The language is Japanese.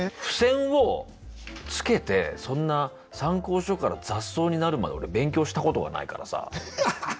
付箋をつけてそんな参考書から雑草になるまで俺勉強したことがないからさ。